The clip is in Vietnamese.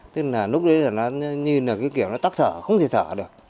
tức là lúc đấy là nó như là cái kiểu nó tắc thở không thể thở được